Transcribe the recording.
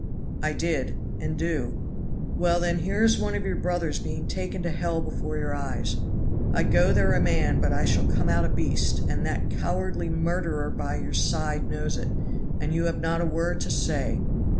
"I did, and do." "Well, then, here is one of your brothers being taken to hell before your eyes. I go there a man, but I shall come out a beast, and that cowardly murderer by your side knows it, and you have not a word to say.